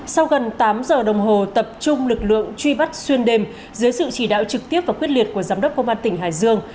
sau gần tám giờ đồng hồ tập trung lực lượng truy bắt xuyên đêm dưới sự chỉ đạo trực tiếp và quyết liệt của giám đốc công an tỉnh hải dương